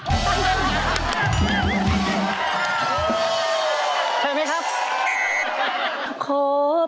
เชิญมั้ยครับ